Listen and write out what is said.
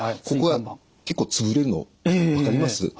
ここが結構つぶれるの分かります？